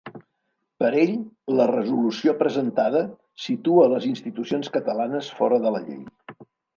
Per ell, la resolució presentada ‘situa les institucions catalanes fora de la llei’.